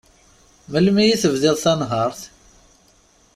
Melmi i tebdiḍ tanhert?